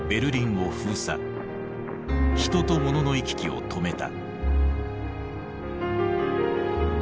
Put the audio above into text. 人と物の行き来を止めた。